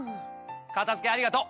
片付けありがとう！